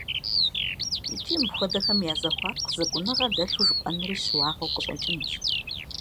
Икӏи мыпхуэдэхэм я зэхуаку зэкӏуныгъэ дэлъу жыпӏэнри щыуагъэу къыщӏэкӏынущ.